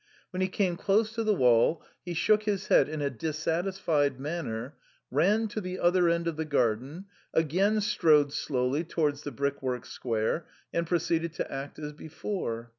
When he came close to the THE CREMONA VIOLIN. 3 wall he shook his head in a dissatisfied manner, ran to the other end of the garden, again strode slowly towards the brick work square, and proceeded to act as before.